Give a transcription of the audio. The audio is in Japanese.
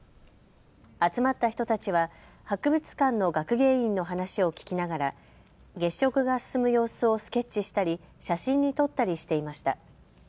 集まった人たちは博物館の学芸員の話を聞きながら月食が進む様子をスケッチしたり写真に撮ったりしていました。